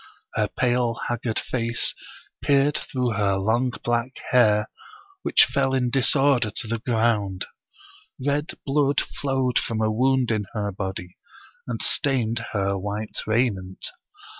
Her pale, haggard face peered through her long black hair, which fell in disorder to the ground. Red blood flowed from a wound in her body and stained her white raiment.